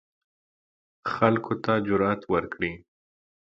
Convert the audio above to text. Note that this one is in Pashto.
خلکو ته جرئت ورکړي